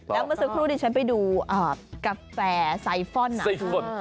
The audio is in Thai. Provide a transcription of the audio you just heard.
แล้วเมื่อสักครู่ดิฉันไปดูกาแฟไซฟอนนะ